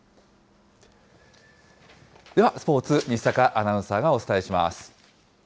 ではスポーツ、西阪アナウンサーがお伝えします。